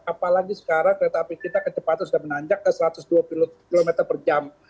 apalagi sekarang kereta api kita kecepatan sudah menanjak ke satu ratus dua puluh km per jam